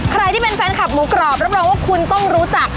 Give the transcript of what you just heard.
ใครที่เป็นแฟนคลับหมูกรอบรับรองว่าคุณต้องรู้จัก